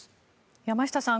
山下さん